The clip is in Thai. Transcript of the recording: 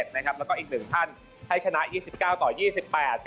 แล้วก็อีก๑ท่านให้ชนะ๒๙ต่อ๑๘